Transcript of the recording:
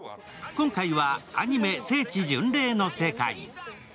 今回はアニメ聖地巡礼の世界。